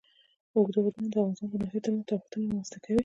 اوږده غرونه د افغانستان د ناحیو ترمنځ تفاوتونه رامنځ ته کوي.